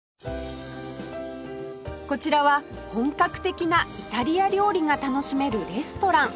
こちらは本格的なイタリア料理が楽しめるレストラン